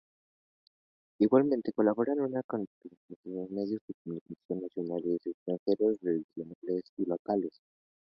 Igualmente colabora como comentarista en medios de comunicación nacionales, extranjeros, regionales y locales.